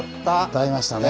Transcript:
歌いましたね。